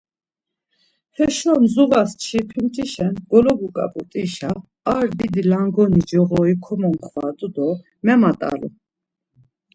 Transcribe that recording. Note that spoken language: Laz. Heşo mzuğas çirpintişen golobuǩap̌ut̆işa ar didi langoni coğori komomxvadu do memat̆alu.